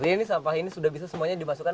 jadi sampah ini sudah bisa bisa dipasukkan